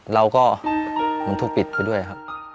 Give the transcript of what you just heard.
เราก็มันถูกปิดไปด้วยครับ